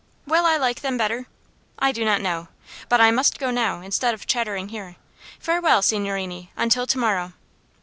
Will I like them better? I do not know. But I must go now, instead of chattering here. Farewell, signorini, until to morrow."